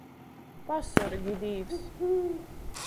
Pasorgi, Dīvs!